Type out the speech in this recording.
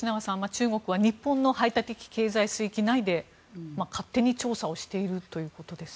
中国は日本の排他的経済水域内で勝手に調査をしているということです。